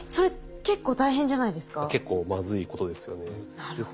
結構まずいことですよね。